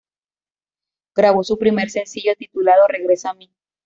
Grabó su primer sencillo titulado ""Regresa a mí"".